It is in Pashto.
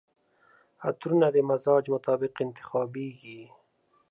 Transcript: عطرونه د مزاج مطابق انتخابیږي.